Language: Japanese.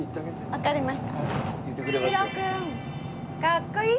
わかりました。